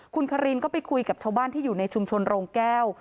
คุณคารินก็ไปคุยกับชาวบ้านที่อยู่ในชุมชนโรงแก้ว